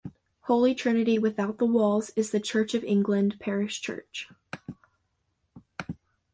Holy Trinity-Without-The-Walls is the Church of England parish church.